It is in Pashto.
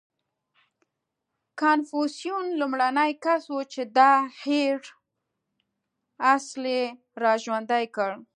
• کنفوسیوس لومړنی کس و، چې دا هېر اصل یې راژوندی کړ.